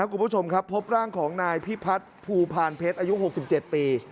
ท่านคุณผู้ชมครับพบร่างของนายพิพัฒน์ภูพาลเพชรอายุหกสิบเจ็ดปี